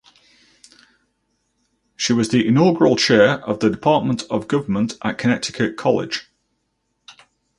She was the inaugural chair of the department of government at Connecticut College.